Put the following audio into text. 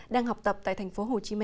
đang học tập tại tp hcm